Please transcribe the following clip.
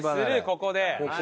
ここで。